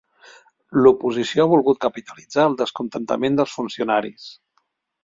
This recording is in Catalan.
L'oposició ha volgut capitalitzar el descontentament dels funcionaris.